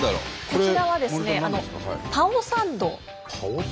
こちらはですねパオサンド？